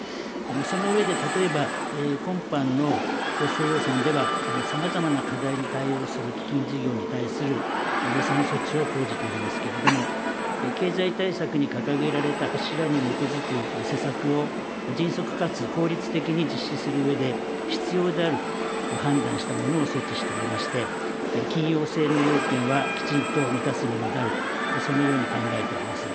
その上で、例えば、今般の補正予算では、さまざまな課題に対応する基金事業に対する予算措置を講じておりますけれども、経済対策に掲げられた柱に基づく施策を、迅速かつ効率的に実施するうえで、必要であると判断したものを措置しておりまして、緊要性の要件はきちんと満たすものであると、そのように考えております。